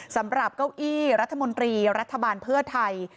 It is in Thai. เก้าอี้รัฐมนตรีรัฐบาลเพื่อไทย